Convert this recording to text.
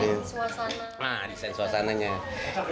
yang tidak ket partnership lookai